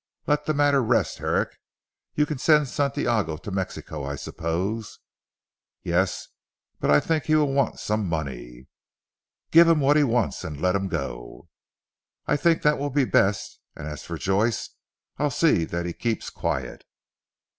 Let the matter rest Herrick. You can send Santiago to Mexico I suppose?" "Yes, but I think he will want some money." "Give him what he wants and let him go." "I think that will be best, and as for Joyce I'll see that he keeps quiet."